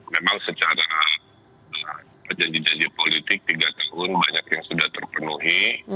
memang secara perjanji janji politik tiga tahun banyak yang sudah terpenuhi